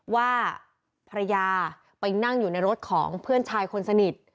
ว่าภรรยาไปนั่งอยู่ในรถของเพื่อนชายคนสนิท